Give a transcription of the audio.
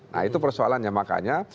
nah itu persoalannya makanya